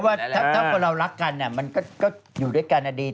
เพราะว่าถ้าพวกเรารักกันมันจะอยู่ด้วยกันอดีต